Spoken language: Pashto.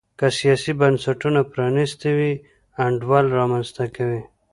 که سیاسي بنسټونه پرانیستي وي انډول رامنځته کوي.